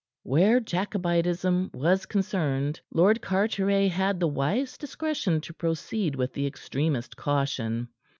Where Jacobitism was concerned, Lord Carteret had the wise discretion to proceed with the extremest caution.